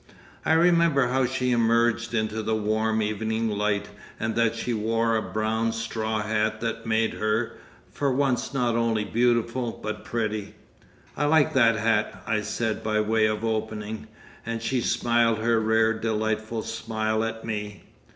I remember how she emerged into the warm evening light and that she wore a brown straw hat that made her, for once not only beautiful but pretty. "I like that hat," I said by way of opening; and she smiled her rare delightful smile at me.